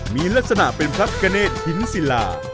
มีลักษณะเป็นพระกเนธหินศิลา